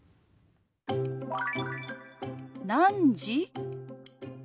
「何時？」。